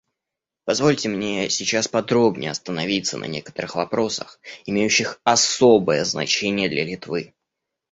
Позвольте мне сейчас подробнее остановиться на некоторых вопросах, имеющих особое значение для Литвы.